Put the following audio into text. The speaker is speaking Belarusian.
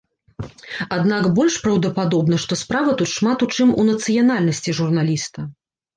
Аднак больш праўдападобна, што справа тут шмат у чым у нацыянальнасці журналіста.